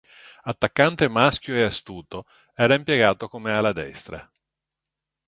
Attaccante maschio e astuto, era impiegato come ala destra.